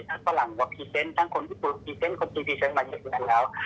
ภาพฝรั่งว่าพรีเซนต์ทั้งคนญี่ปุ่นพรีเซนต์คนปรีเซนต์มาเย็นแล้ว